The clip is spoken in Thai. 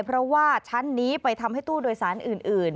เพราะว่าชั้นนี้ไปทำให้ตู้โดยสารอื่น